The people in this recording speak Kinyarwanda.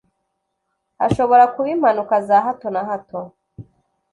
hashobora kuba impanuka za hato na hato